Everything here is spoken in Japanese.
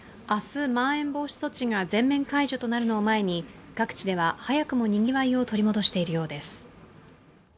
明日、まん延防止措置が全面解除となるのを前に各地では早くもにぎわいを取り戻しているようです。